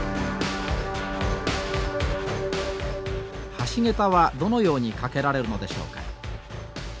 橋桁はどのように架けられるのでしょうか？